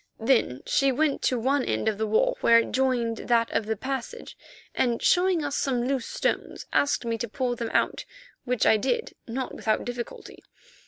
Then she went to one end of the wall where it joined that of the passage, and, showing us some loose stones, asked me to pull them out, which I did, not without difficulty.